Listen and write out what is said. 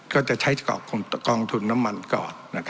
ก็จะใช้กองทุนน้ำมันก่อน